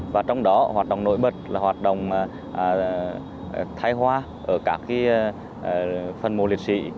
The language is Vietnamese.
và trong đó hoạt động nổi bật là hoạt động thái hoa ở các phần mộ liệt sĩ